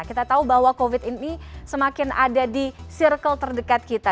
kita tahu bahwa covid ini semakin ada di circle terdekat kita